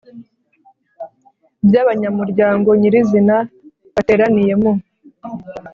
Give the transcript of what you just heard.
by abanyamuryango nyirizina bateraniye mu